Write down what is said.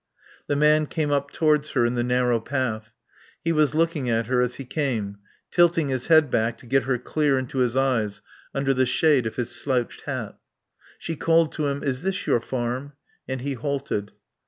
The man came up towards her in the narrow path. He was looking at her as he came, tilting his head back to get her clear into his eyes under the shade of his slouched hat. She called to him. "Is this your farm?" And he halted.